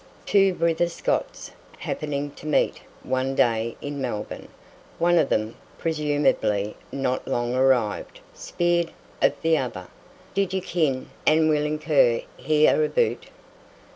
Two "brither Scots," happening to meet one day in Melbourne, one of them, presumably not long arrived, "speered" of the other, "Did ye ken ane Weelum Kerr here aboot?"